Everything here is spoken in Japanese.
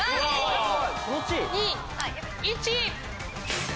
２・１。